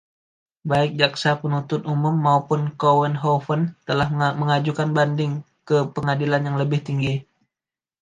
Baik jaksa penuntut umum maupun Kouwenhoven telah mengajukan banding ke pengadilan yang lebih tinggi.